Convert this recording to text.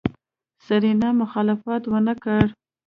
سېرېنا مخالفت ونکړ.